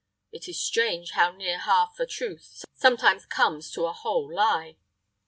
It is strange how near half a truth sometimes comes to a whole lie!